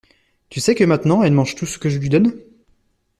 Tu sais que maintenant elle mange tout ce que je lui donne?